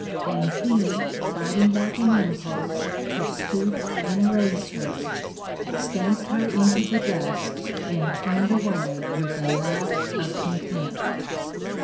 And he, fighting back an im pulse to stoop and raise her, stamped her into the dust and turned away with a laugh of contempt.